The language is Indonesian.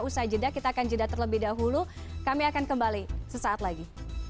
usai jeda kita akan jeda terlebih dahulu kami akan kembali sesaat lagi